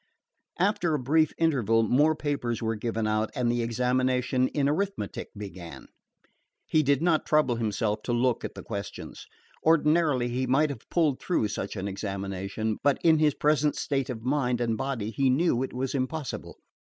After a brief interval, more papers were given out, and the examination in arithmetic began. He did not trouble himself to look at the questions. Ordinarily he might have pulled through such an examination, but in his present state of mind and body he knew it was impossible.